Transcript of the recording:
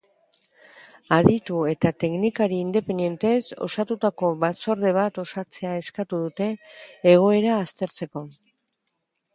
Aditu eta teknikari independentez osatutako batzorde bat osatzea eskatu dute, egoera aztertzeko.